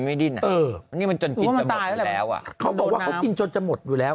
ดิ้นอ่ะเออนี่มันจนกินจะหมดอยู่แล้วอ่ะเขาบอกว่าเขากินจนจะหมดอยู่แล้ว